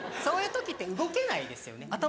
そういう時って動けないですよね